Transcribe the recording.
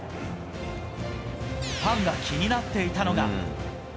ファンが気になっていたのが。